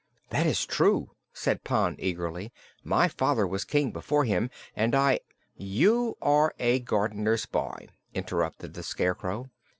"That is true," said Pon, eagerly. "My father was King before him, and I " "You are a gardener's boy," interrupted the Scarecrow.